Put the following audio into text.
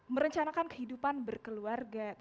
merencanakan kehidupan berkeluarga